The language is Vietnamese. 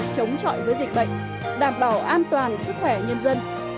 chống chọi với dịch bệnh đảm bảo an toàn sức khỏe nhân dân